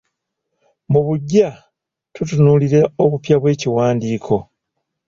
Mu buggya tutunuulira obupya bw’ekiwandiiko